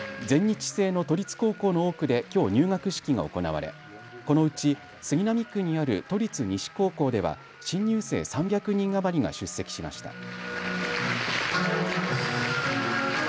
全日制の都立高校の多くできょう入学式が行われこのうち杉並区にある都立西高校では新入生３００人余りが出席しました。